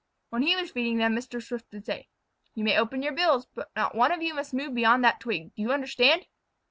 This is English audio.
When he was feeding them Mr. Swift would say: "You may open your bills, but not one of you must move beyond that twig. Do you understand?"